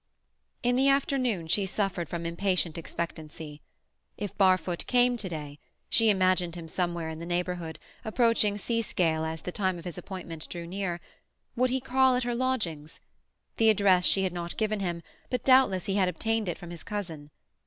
In the afternoon she suffered from impatient expectancy. If Barfoot came to day—she imagined him somewhere in the neighbourhood, approaching Seascale as the time of his appointment drew near—would he call at her lodgings? The address she had not given him, but doubtless he had obtained it from his cousin.